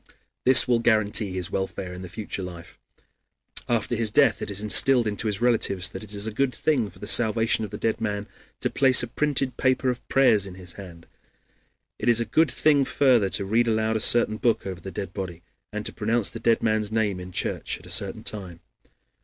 This will guarantee his welfare in the future life. After his death it is instilled into his relatives that it is a good thing for the salvation of the dead man to place a printed paper of prayers in his hands; it is a good thing further to read aloud a certain book over the dead body, and to pronounce the dead man's name in church at a certain time.